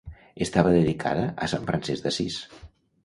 Estava dedicada a Sant Francesc d'Assís.